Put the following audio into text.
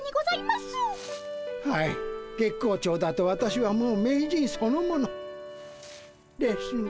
はい月光町だと私はもう名人そのもの。ですが。